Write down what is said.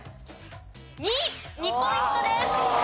２ポイントです。